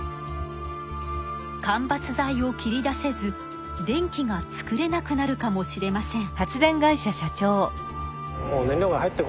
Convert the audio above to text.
間伐材を切り出せず電気が作れなくなるかもしれません。